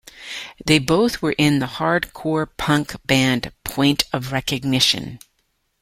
They both were in the hardcore punk band Point of Recognition.